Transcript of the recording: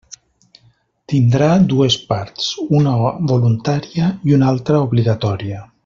Tindrà dues parts: una voluntària i una altra obligatòria.